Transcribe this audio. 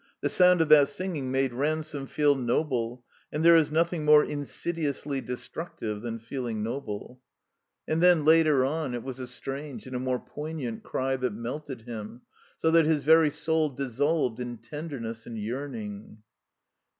The sotmd of that singing made Ransome feel noble; and there is nothing more in sidiously destructive than feeUng noble. THE COMBINED MAZE And then, later on, it was a strange and a more poignant cry that melted him, s() that his very soul dissolved in tenderness and yearning.